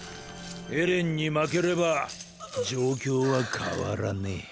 エレンに負ければ状況は変わらねぇ。